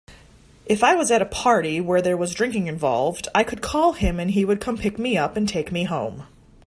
If I was at a party where there was drinking involved, I could call him and he would come pick me up and take me home.